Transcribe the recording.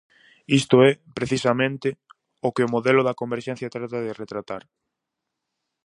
Isto é, precisamente, o que o modelo da converxencia trata de retratar.